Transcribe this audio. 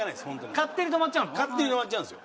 勝手に止まっちゃうんですよ。